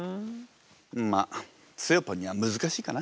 まあつよぽんには難しいかな。